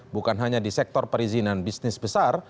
bukan hanya di sektor perizinan bisnis besar